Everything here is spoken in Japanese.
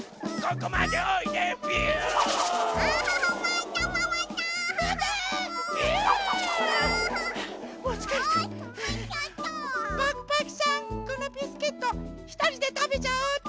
このビスケットひとりでたべちゃおうっと。